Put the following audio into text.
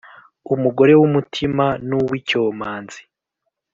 Umugore w’umutima n’uw’icyomanzi